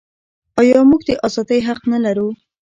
آیا موږ د ازادۍ حق نلرو؟